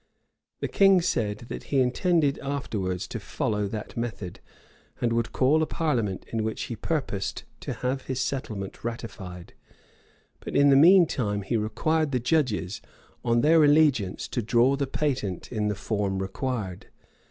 The king said, that he intended afterwards to follow that method, and would call a parliament in which he purposed to have his settlement ratified; but in the mean time he required the judges, on their allegiance, to draw the patent in the form required.